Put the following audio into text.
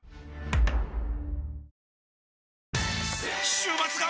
週末が！！